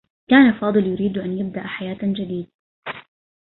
كان فاضل يريد أن يبدأ حياة جديدة.